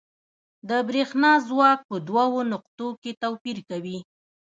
د برېښنا ځواک په دوو نقطو کې توپیر کوي.